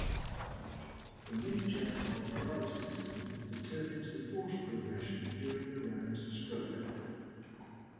The nature of drive system determines the force progression during the ram's stroke.